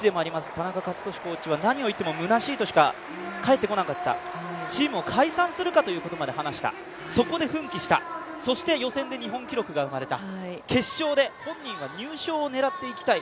田中健智コーチは何を言ってもむなしいとしか返ってこなかった、チームを解散するかということまで話した、そこで奮起した、そして予選で日本記録が生まれた、決勝で本人は入賞を狙っていきたい